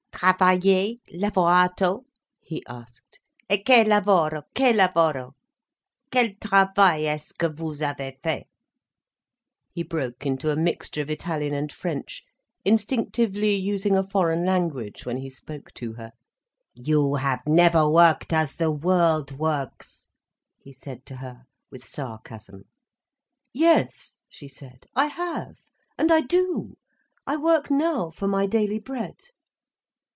"Travaillé—lavorato?" he asked. "E che lavoro—che lavoro? Quel travail est ce que vous avez fait?" He broke into a mixture of Italian and French, instinctively using a foreign language when he spoke to her. "You have never worked as the world works," he said to her, with sarcasm. "Yes," she said. "I have. And I do—I work now for my daily bread."